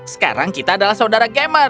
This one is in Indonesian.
sekarang kita adalah saudara gamer